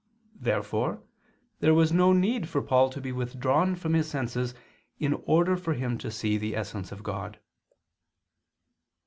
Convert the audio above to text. Therefore there was no need for Paul to be withdrawn from his senses in order for him to see the essence of God.